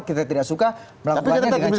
kita tidak suka melakukannya dengan cara